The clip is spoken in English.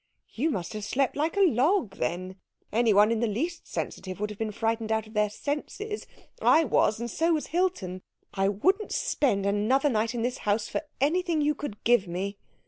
"You must have slept like a log then. Any one in the least sensitive would have been frightened out of their senses. I was, and so was Hilton. I wouldn't spend another night in this house for anything you could give me."